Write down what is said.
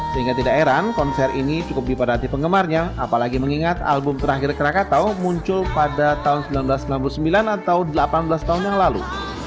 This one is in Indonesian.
sehingga tidak heran konser ini cukup dipadati penggemarnya apalagi mengingat album terakhir krakatau muncul pada tahun seribu sembilan ratus sembilan puluh sembilan atau delapan belas tahun yang lalu